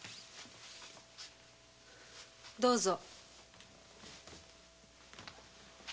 どうぞ。